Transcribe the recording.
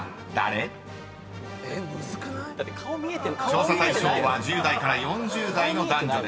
［調査対象は１０代から４０代の男女です］